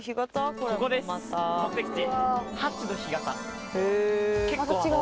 ここです目的地。